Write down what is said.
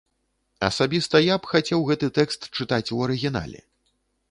Асабіста я б хацеў гэты тэкст чытаць у арыгінале.